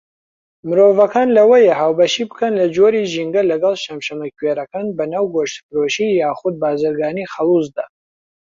مرۆڤەکان لەوەیە هاوبەشی بکەن لە جۆری ژینگە لەگەڵ شەمشەمەکوێرەکان بەناو گۆشتفرۆشی یاخود بارزگانی خەڵوزدا.